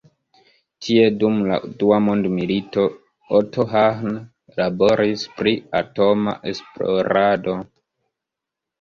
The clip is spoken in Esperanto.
Tie dum la dua mondmilito, Otto Hahn laboris pri atoma esplorado.